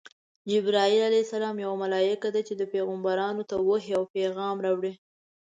جبراییل ع یوه ملایکه ده چی پیغمبرانو ته وحی او پیغام راوړي.